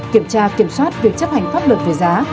kiểm tra kiểm soát việc chấp hành pháp luật về giá